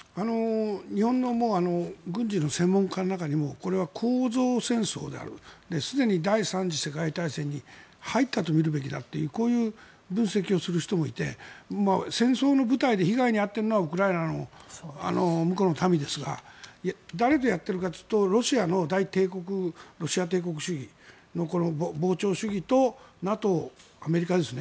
日本の軍事の専門家の中にもこれは構造戦争であるすでに第３次世界大戦に入ったとみるべきだとこういう分析をする人もいて戦争の舞台で被害に遭っているのはウクライナの無この民ですが誰がやってるかというロシアの大ロシア帝国主義の膨張主義とＮＡＴＯ、アメリカですね